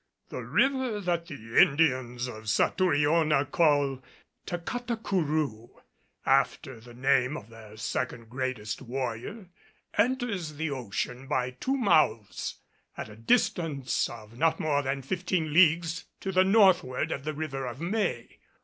The river that the Indians of Satouriona call Tacatacourou, after the name of their second greatest warrior, enters the ocean by two mouths at a distance of not more than fifteen leagues to the northward of the River of May.